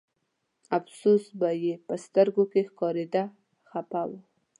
افسوس به یې په سترګو کې ښکارېده خپه و.